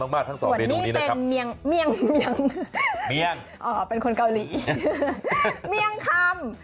ข้างบัวแห่งสันยินดีต้อนรับทุกท่านนะครับ